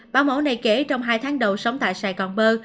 báo mẫu này kể trong hai tháng đầu sống tại sài gòn bơ